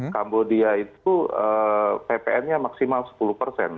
kambodia itu ppn nya maksimal sepuluh persen